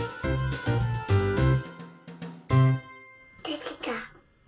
できた。